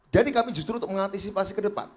jadi kami justru untuk mengantisipasi ke depan